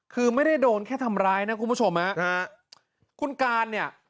คือไม่ได้โดนแค่ทำร้ายนะคุณผู้ชมฮะคุณการเนี่ย